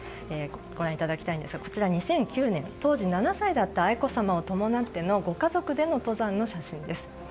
ご覧いただきたいんですがこちら２００９年当時７歳だった愛子さまを伴ってのご家族での登山の写真です。